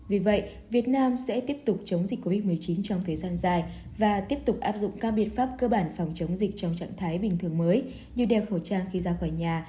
vì vậy việt nam sẽ tiếp tục chống dịch covid một mươi chín trong thời gian dài và tiếp tục áp dụng các biện pháp cơ bản phòng chống dịch trong trạng thái bình thường mới như đeo khẩu trang khi ra khỏi nhà